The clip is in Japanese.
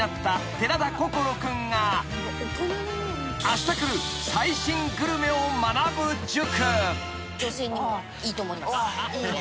［あしたくる最新グルメを学ぶ塾］